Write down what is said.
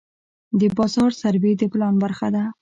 د بازار سروې د پلان برخه ده.